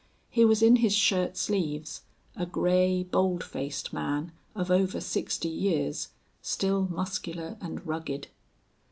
He was in his shirt sleeves, a gray, bold faced man, of over sixty years, still muscular and rugged.